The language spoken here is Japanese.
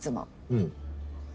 うん。